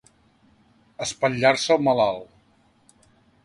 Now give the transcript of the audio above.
Espatllar-se el malalt.